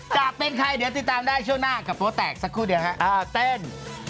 จะเป็นใครเดี๋ยวติดตามได้ช่วงหน้ากับโป๊แตกสักครู่เดียวครับเต้น